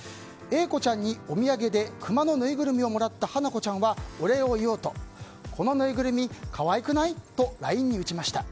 Ａ子ちゃんにお土産でクマのぬいぐるみをもらった花子ちゃんは、お礼を言おうとこのぬいぐるみ可愛くない？とＬＩＮＥに打ちました。